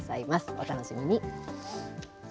お楽しみに。